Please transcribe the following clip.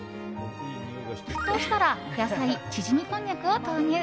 沸騰したら野菜、ちぢみこんにゃくを投入。